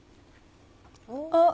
あっ！